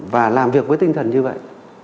và làm việc với tinh thần như vậy